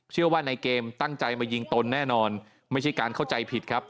เชื่อว่านายเกมตั้งใจมายิงตนแน่นอนไม่ใช่การเข้าใจผิดครับ